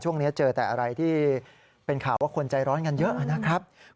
ช่วงนี้เจอแต่อะไรที่เป็นข่าวว่าคนใจร้อนกันเยอะนะครับ